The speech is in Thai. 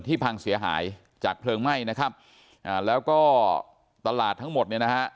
พังเสียหายจากเพลิงไหม้นะครับอ่าแล้วก็ตลาดทั้งหมดเนี่ยนะฮะ